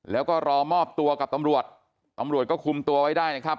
แล้วก็รอมอบตัวกับตำรวจตำรวจก็คุมตัวไว้ได้นะครับ